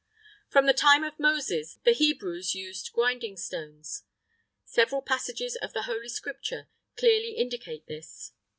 [III 12] From the time of Moses the Hebrews used grinding stones: several passages of the Holy Scripture clearly indicate this.